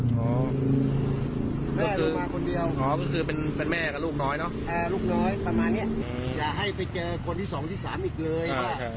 พ่อนรอบด้วยตอนว่าคู่ก็เป็นเม่ากลูกน้อยต้ออย่าให้ไปเจอโคลนที่๒ที่๓อีกเลย